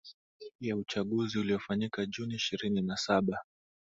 ya uchaguzi uliofanyika juni ishirini na saba